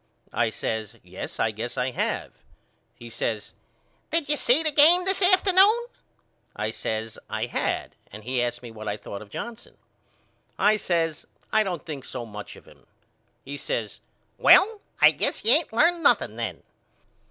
I says Yes I guess I have. He says Did you see the game this afternoon? I says I had and he asked me what I thought of Johnson. I says I don't think so much of him. He says Well I guess you ain't learned nothing then.